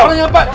ini orangnya pak